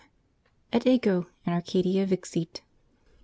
Et ego in Arcadia vixit.